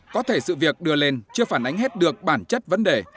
có thể sự việc đưa lên chưa phản ánh hết được bản chất vấn đề